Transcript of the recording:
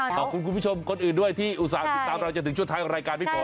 ขอบคุณคุณผู้ชมคนอื่นด้วยที่อุตส่าห์ติดตามเราจนถึงช่วงท้ายของรายการพี่ฝน